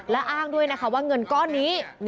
และอ้างด้วยนะคะว่าเงินก้อนนี้